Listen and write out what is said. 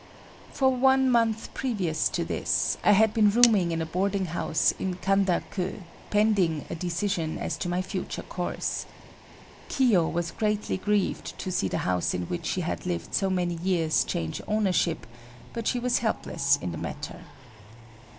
For one month previous to this, I had been rooming in a boarding house in Kanda ku, pending a decision as to my future course. Kiyo was greatly grieved to see the house in which she had lived so many years change ownership, but she was helpless in the matter.